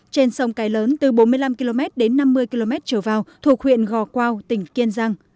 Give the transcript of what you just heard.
trên sông cái lớn từ bốn mươi năm km đến năm mươi km trở vào thuộc huyện gò quao tỉnh kiên giang